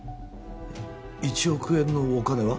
１億円のお金は？